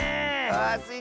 ああスイ